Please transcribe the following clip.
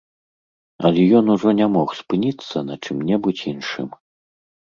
Але ён ужо не мог спыніцца на чым-небудзь іншым.